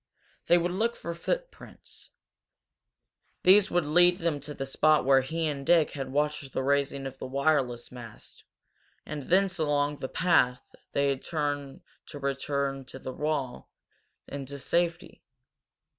They would look for footprints. These would lead them to the spot where he and Dick had watched the raising of the wireless mast, and thence along the path they had taken to return to the wall and to safety.